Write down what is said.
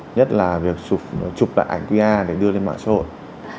nhất là việc chụp lại ảnh qr để đưa lên mạng xã hội